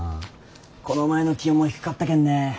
この前の気温も低かったけんね。